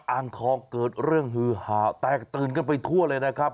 อ่างทองเกิดเรื่องฮือหาแตกตื่นกันไปทั่วเลยนะครับ